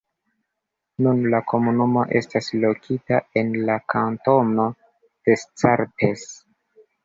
Nun, la komunumo estas lokita en la kantono Descartes.